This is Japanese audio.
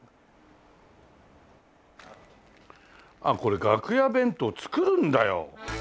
あっこれ楽屋弁当作るんだよ。